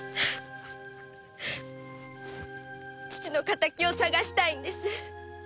父の敵を捜したいんです。